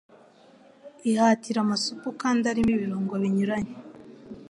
Ihatire amasupu kandi arimo ibirungo binyuranye